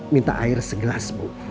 minta air segelas bu